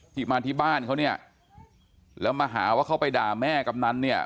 ที่มาที่บ้านเขาเนี่ยแล้วมาหาว่าเขาไปด่าแม่กำนันเนี่ย